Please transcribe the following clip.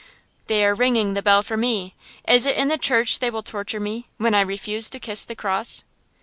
_ They are ringing the bell for me. Is it in the church they will torture me, when I refuse to kiss the cross?